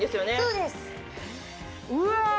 うわ